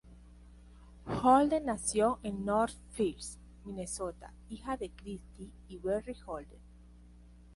Holden nació en Northfield, Minnesota, hija de Kristi y Barry Holden.